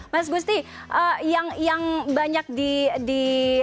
mas gusti yang banyak di